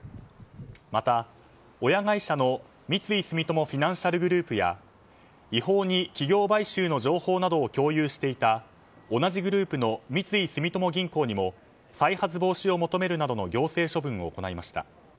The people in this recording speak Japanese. また、親会社の三井住友フィナンシャルグループや違法に企業買収の情報などを共有していた同じグループの三井住友銀行にも再発防止を求めるなどの行政処分を行いました。